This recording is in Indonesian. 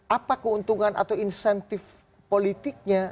apa keuntungan atau insentif politiknya